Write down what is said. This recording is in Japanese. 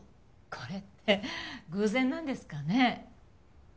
これって偶然なんですかね？